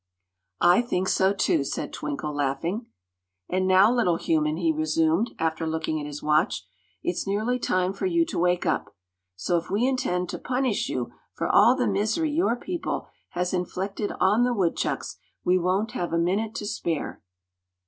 "I think so, too!" said Twinkle, laughing. "And now, little human," he resumed, after looking at his watch, "it's nearly time for you to wake up; so if we intend to punish you for all the misery your people has inflicted on the woodchucks, we won't have a minute to spare."